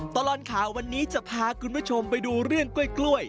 ตลอดข่าววันนี้จะพาคุณผู้ชมไปดูเรื่องกล้วย